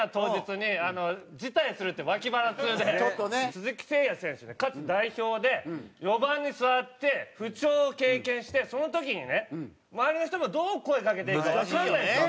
鈴木誠也選手ってかつて代表で４番に座って不調を経験してその時にね周りの人もどう声かけていいかわかんないんですよ。